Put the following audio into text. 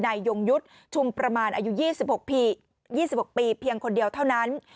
ยงยุทธ์ชุมประมาณอายุ๒๖ปีเพียงคนเดียวเท่านั้น